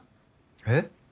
えっ？